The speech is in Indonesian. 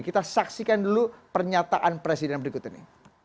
kita saksikan dulu pernyataan presiden berikut ini